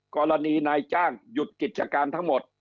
กรณีนายจ้างหยุดกิจการทั้งหมด